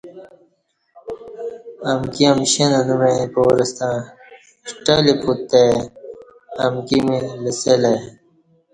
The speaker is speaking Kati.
امکی امشیں ننوعیں پارہ ستع ݜٹہ لی پوت تہ ای امکی می لسہ لہ دی ای